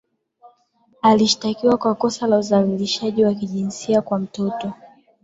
Alishtakiwa kwa kosa la udhalilishaji wa kijinsia kwa mtoto